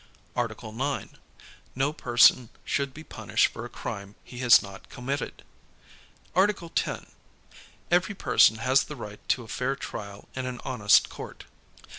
Article 9. No person should be punished for a crime he has not committed. Article 10. Every person has the right to a fair trial in an honest court.